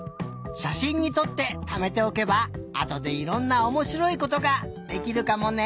しゃしんにとってためておけばあとでいろんなおもしろいことができるかもね。